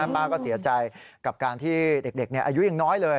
ป้าก็เสียใจกับการที่เด็กอายุยังน้อยเลย